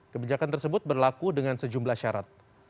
kebijakan tersebut berlaku dengan sejumlah syarat